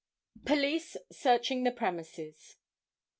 Police Searching the Premises.